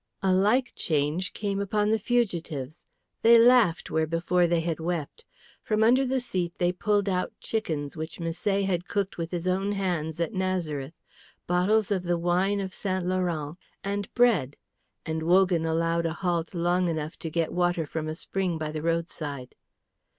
A like change came upon the fugitives. They laughed, where before they had wept; from under the seat they pulled out chickens which Misset had cooked with his own hands at Nazareth, bottles of the wine of St. Laurent, and bread; and Wogan allowed a halt long enough to get water from a spring by the roadside.